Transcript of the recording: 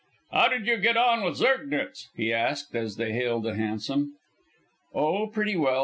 "How did you get on with Zirknitz?" he asked, as they hailed a hansom. "Oh, pretty well.